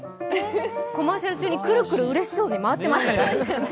コマーシャル中にくるくる、うれしそうに回っていました。